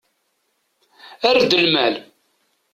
Err-d lmal.